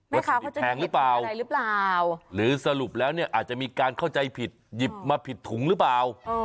วัตถุดิบแพงหรือเปล่าหรือสรุปแล้วเนี่ยอาจจะมีการเข้าใจผิดหยิบมาผิดถุงหรือเปล่า